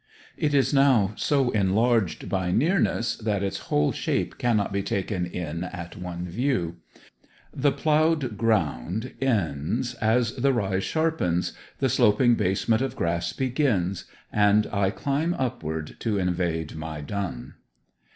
It is now so enlarged by nearness that its whole shape cannot be taken in at one view. The ploughed ground ends as the rise sharpens, the sloping basement of grass begins, and I climb upward to invade Mai Dun.